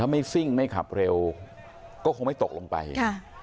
ไม่ซิ่งไม่ขับเร็วก็คงไม่ตกลงไปค่ะ